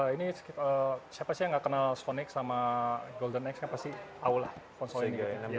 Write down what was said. ini siapa sih yang nggak kenal sonic sama golden x pasti aw lah konsol ini